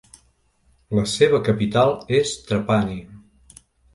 La seva capital és Trapani.